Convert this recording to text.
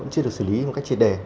chưa được xử lý một cách triệt đề